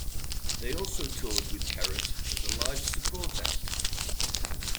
They also toured with Carrott as a live support act.